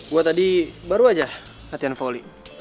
gue tadi baru aja latihan foley